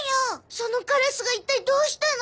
そのカラスが一体どうしたの？